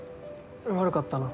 悪かったな。